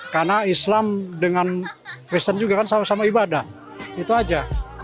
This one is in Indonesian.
karena islam dengan kristen juga kan sama sama ibadah itu aja